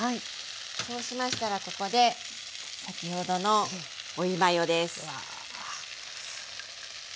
そうしましたらここで先ほどのオイマヨです。